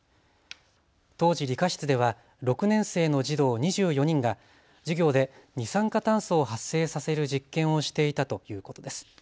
当時、理科室では６年生の児童２４人が授業で二酸化炭素を発生させる実験をしていたということです。